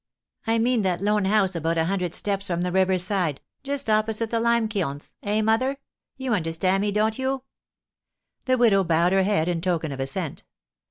I mean that lone house about a hundred steps from the river's side, just opposite the lime kilns, eh, mother? You understand me, don't you?" The widow bowed her head, in token of assent.